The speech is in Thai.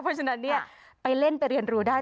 เพราะฉะนั้นเนี่ยไปเล่นไปเรียนรู้ได้